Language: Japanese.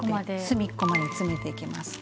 隅っこまで詰めていきます。